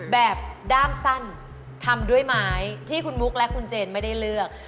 แบบด้ามสั้นทำด้วยไม้ที่คุณมุกและคุณเจนไม่ได้เลือก